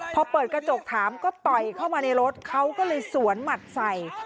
พอเปิดกระจกถามก็ต่อยเข้ามาในรถเขาก็เลยสวนหมัดใส่